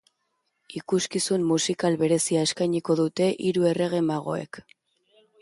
Ikuskizun musikal berezia eskainiko dute hiru errege magoek.